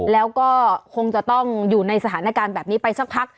แล้วก็คงจะต้องอยู่ในสถานการณ์แบบนี้ไปสักพัก